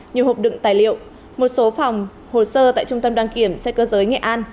nhiều hộp đựng tài liệu một số phòng hồ sơ tại trung tâm đăng kiểm xe cơ giới nghệ an